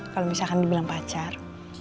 kalau misalkan dibilang pacar